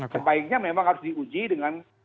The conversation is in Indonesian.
sebaiknya memang harus diuji dengan